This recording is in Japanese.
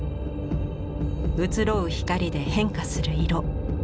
移ろう光で変化する色。